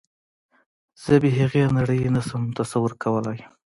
زه بې هغې نړۍ نشم تصور کولی